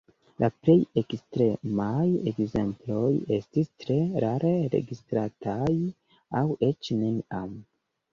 La plej ekstremaj ekzemploj estis tre rare registritaj aŭ eĉ neniam.